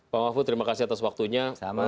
pak mahfud terima kasih atas waktunya